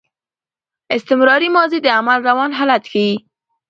استمراري ماضي د عمل روان حالت ښيي.